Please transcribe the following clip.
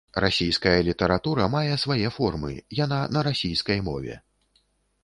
Расійская літаратура мае свае формы, яна на расійскай мове.